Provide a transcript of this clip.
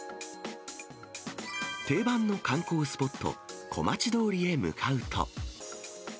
定番の観光スポット、小町通りへ向かうと。